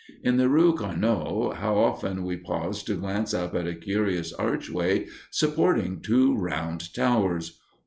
In the rue Carnot how often we paused to glance up at a curious archway supporting two round towers!